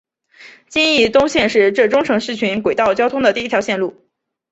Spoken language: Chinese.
金义东线是浙中城市群轨道交通的第一条线路。